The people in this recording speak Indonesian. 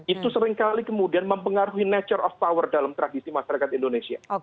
itu seringkali kemudian mempengaruhi nature of power dalam tradisi masyarakat indonesia